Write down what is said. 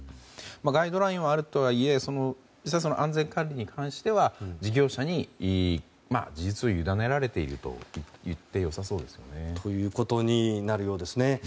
ガイドラインはあるとはいえ実際、安全管理に対しては事業者に事実上ゆだねられているといって、よさそうですね。ということになるようです。